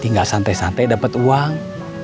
tinggal santai santai dapat uang